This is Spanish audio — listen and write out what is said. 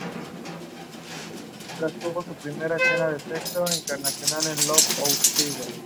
Su color es entre anaranjado y amarillo y visten trajes espaciales.